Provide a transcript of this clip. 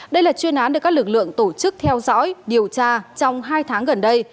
đây là chuyên án được các lực lượng tổ chức theo dõi điều tra trong hai tháng gần đây